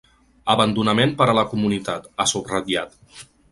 “Abandonament per a la Comunitat”, ha subratllat.